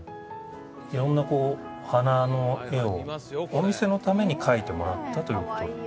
色んなこう花の絵をお店のために描いてもらったということですか？